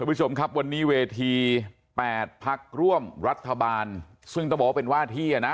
ผู้ชมครับวันนี้เวที๘พักร่วมรัฐบาลซึ่งต้องบอกว่าเป็นว่าที่อ่ะนะ